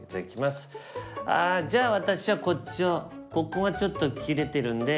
ああじゃあ私はこっちをここがちょっと切れてるんで。